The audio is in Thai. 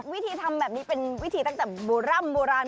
วิธีทำแบบนี้เป็นวิธีตั้งแต่โบร่ำโบราณ